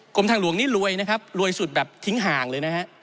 ทางหลวงนี่รวยนะครับรวยสุดแบบทิ้งห่างเลยนะฮะ